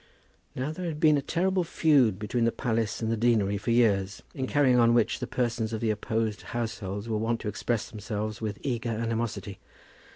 Now there had been a terrible feud between the palace and the deanery for years, in carrying on which the persons of the opposed households were wont to express themselves with eager animosity.